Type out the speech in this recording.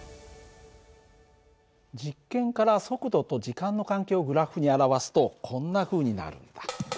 実験から速度と時間の関係をグラフに表すとこんなふうになるんだ。